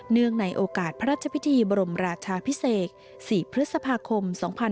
เนื่องในโอกาสพระราชพิธีบรมราชาพิเศษ๔พฤษภาคม๒๕๖๒